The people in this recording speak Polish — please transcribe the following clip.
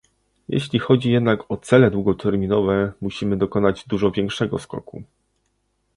Jeśli chodzi jednak o cele długoterminowe, musimy dokonać dużo większego skoku